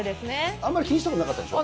あんまり気にしたことなかったですか？